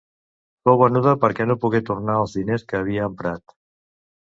Fou venuda perquè no pogué tornar els diners que havia emprat.